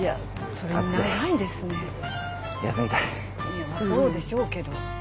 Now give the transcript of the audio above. そうでしょうけど。